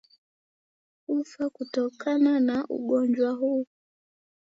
hufa kutokana na ugonjwa huu